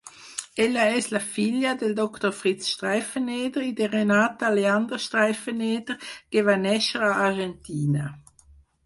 Ella és la filla del Doctor Fritz Streifeneder i de Renata Leander-Streifeneder que va néixer a Argentina.